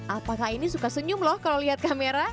apakah ini suka senyum loh kalau lihat kamera